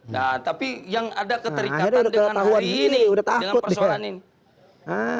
nah tapi yang ada keterikatan dengan hari ini dengan persoalan ini